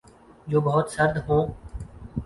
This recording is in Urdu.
جو بہت سرد ہوں